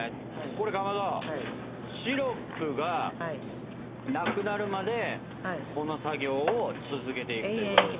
これかまどシロップがなくなるまでこの作業を続けていくということですね。